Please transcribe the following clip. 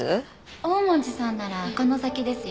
旺門寺さんならこの先ですよ。